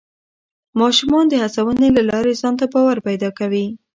ماشومان د هڅونې له لارې ځان ته باور پیدا کوي